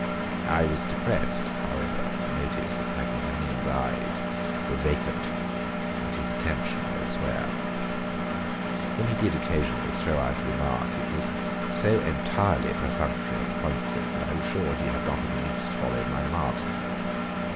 I was depressed, however, to notice that my companion's eyes were vacant and his attention elsewhere. When he did occasionally throw out a remark it was so entirely perfunctory and pointless, that I was sure he had not in the least followed my remarks.